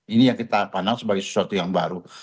ini yang kita pandang sebagai sesuatu yang baru